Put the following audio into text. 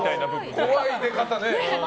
怖い出方ね。